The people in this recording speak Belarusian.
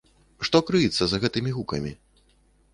Што крыецца за гэтымі гукамі?